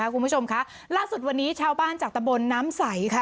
คุณผู้ชมค่ะล่าสุดวันนี้ชาวบ้านจากตะบนน้ำใสค่ะ